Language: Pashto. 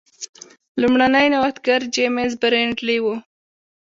لومړنی نوښتګر جېمز برینډلي و.